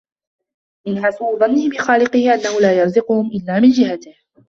مِنْهَا سُوءُ ظَنِّهِ بِخَالِقِهِ أَنَّهُ لَا يَرْزُقُهُمْ إلَّا مِنْ جِهَتِهِ